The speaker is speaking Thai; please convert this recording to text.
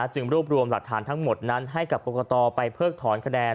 จึงรวบรวมหลักฐานทั้งหมดนั้นให้กับกรกตไปเพิกถอนคะแนน